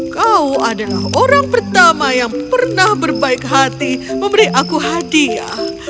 kau adalah orang pertama yang pernah berbaik hati memberi aku hadiah